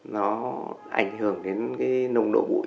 nó ảnh hưởng đến nồng độ bụi